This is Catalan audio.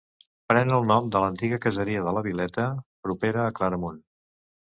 Pren el nom de l'antiga caseria de la Vileta, propera a Claramunt.